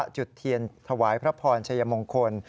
จุดเทียนถวายพระพรชัยมงคล